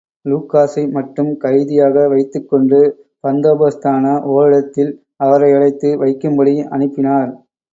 லூகாஸை மட்டும் கைதியாக வைத்துக் கொண்டு பந்தோபஸ்தான ஓரிடத்தில் அவரையடைத்து வைக்கும்படி அனுப்பினார்.